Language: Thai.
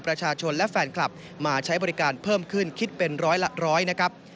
ประชาชนและแฟนคลับมาใช้บริการเพิ่มขึ้นคิดเป็นร้อยละร้อยนะครับ